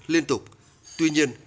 liên tục tuy nhiên